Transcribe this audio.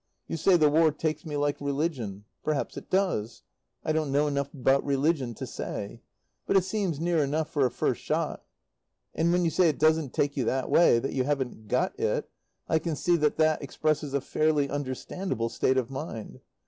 You say the War takes me like religion; perhaps it does; I don't know enough about religion to say, but it seems near enough for a first shot. And when you say it doesn't take you that way, that you haven't "got" it, I can see that that expresses a fairly understandable state of mind.